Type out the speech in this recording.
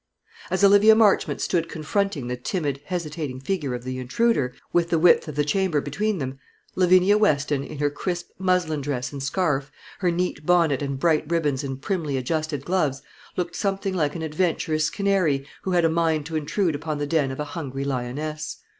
As Olivia Marchmont stood confronting the timid hesitating figure of the intruder, with the width of the chamber between them, Lavinia Weston, in her crisp muslin dress and scarf, her neat bonnet and bright ribbons and primly adjusted gloves, looked something like an adventurous canary who had a mind to intrude upon the den of a hungry lioness.